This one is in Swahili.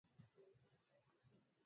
Sentensi ni maneno mawili